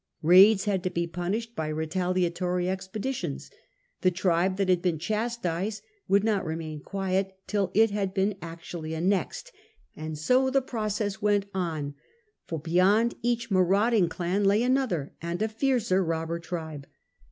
Raids had to be punished by retaliatory expeditions. The tribe that had been chastised would not remain quiet till it had been actually annexed; and so the process went on, for beyond each marauding clan lay another and a fiercer robber tribe.